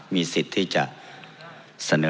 มีสิทธิ์ที่จะเสนอ